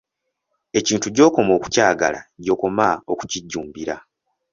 Ekintu gy'okoma okukyagala gy'okoma okukijjumbira.